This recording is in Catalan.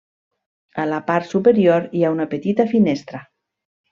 A la part superior hi ha una petita finestra.